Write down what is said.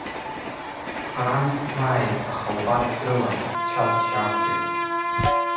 Харантә дмааит, аха убарҭ дрылан Чаҵә Чагәгьы.